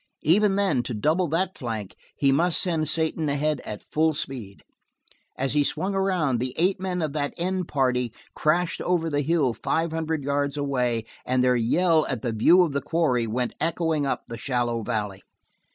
Even then, to double that flank, he must send Satan ahead at full speed. As he swung around, the eight men of that end party crashed over the hill five hundred yards away, and their yell at the view of the quarry went echoing up the shallow valley.